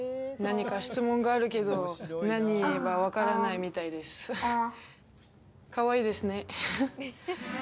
何か質問があるけど何言えば分からないみたいですかわいいですね